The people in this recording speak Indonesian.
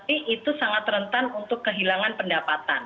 itu sangat rentan untuk kehilangan pendapatan